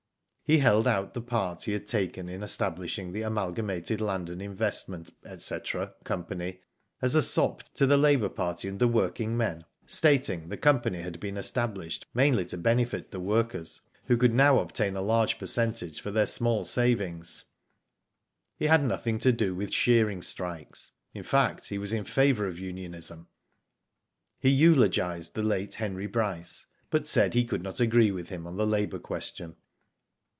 He held out the part he had taken in estab lishing the Amalgamated Land and Investment &c. Co. as a sop to the labour party and the working men, stating the company had been established mainly to benefit the workers, who could now obtain a large percentage for their small savings. He had nothing to do with shearing strikes ; in fact, he was in favour of unionism. He eulogised the late Henry Bryce, but said he could not agree with him on the labour question.